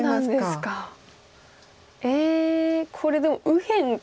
ええこれでも右辺。